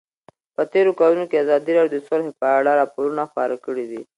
په تېرو کلونو کې ازادي راډیو د سوله په اړه راپورونه خپاره کړي دي.